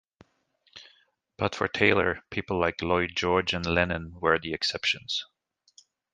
But for Taylor, people like Lloyd George and Lenin were the exceptions.